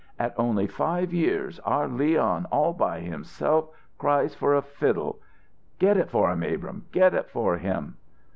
At only five years, our Leon all by himself cries for a fiddle get it for him, Abrahm get it for him!"